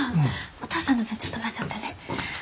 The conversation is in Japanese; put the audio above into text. お父さんの分ちょっと待ちよってね。